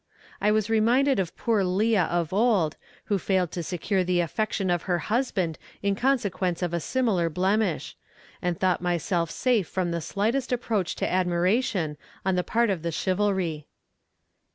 I was reminded of poor Leah of old who failed to secure the affection of her husband in consequence of a similar blemish, and thought myself safe from the slightest approach to admiration on the part of the chivalry.